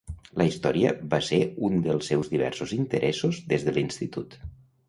La història va ser un dels seus diversos interessos des de l'institut.